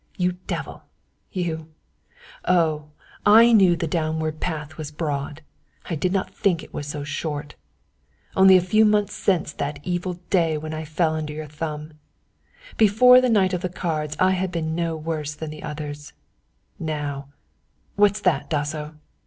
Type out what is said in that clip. "You devil you Oh, I knew the downward path was broad, I did not think it was so short. Only a few months since that evil day when I fell under your thumb. Before the night of the cards I had been no worse than the others, now What's that, Dasso?"